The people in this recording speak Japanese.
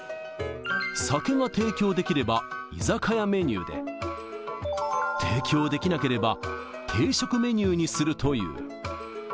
酒が提供できれば居酒屋メニューで、提供できなければ、定食メニューにするという。